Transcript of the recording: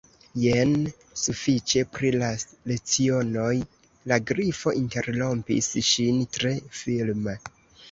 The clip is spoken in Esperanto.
"Jen sufiĉe pri la lecionoj," la Grifo interrompis ŝin tre firme.